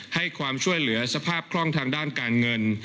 ให้ความช่วยเหลือสภาพคล่องทางด้านการเงิน